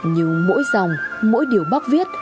nhưng mỗi dòng mỗi điều bác viết